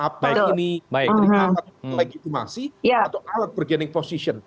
apa ini alat legitimasi atau alat bergenek posisi